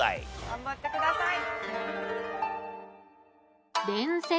頑張ってください。